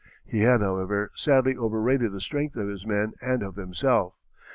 He had, however, sadly overrated the strength of his men and of himself.